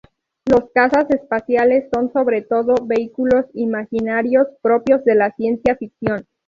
Los cazas espaciales son sobre todo vehículos imaginarios propios de la ciencia ficción.